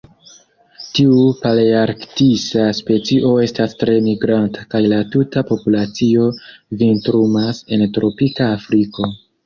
Tiu palearktisa specio estas tre migranta kaj la tuta populacio vintrumas en tropika Afriko.